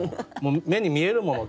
目に見えるもの